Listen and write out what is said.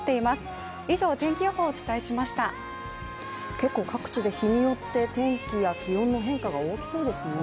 結構各地で日によって天気や気温の変化が大きそうですね。